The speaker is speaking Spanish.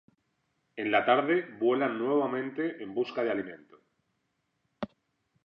En la tarde vuelan nuevamente en busca de alimento.